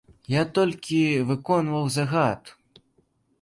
Я толькі выконваў загад.